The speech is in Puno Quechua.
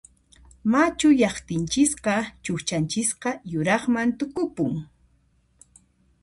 Machuyaqtinchisqa chuqchanchisqa yuraqman tukupun.